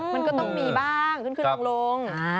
มันก็ต้องมีบ้างขึ้นขึ้นลง